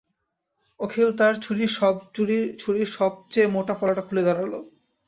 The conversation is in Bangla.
অখিল তার ছুরির সব-চেয়ে মোটা ফলাটা খুলে দাঁড়াল।